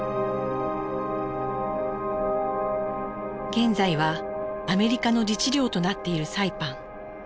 現在はアメリカの自治領となっているサイパン。